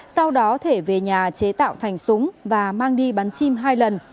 sau đó thể về nhà chế tạo thành súng và mang đi bắn chim hai lần